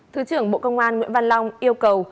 thứ trưởng bộ công an nguyễn văn long yêu cầu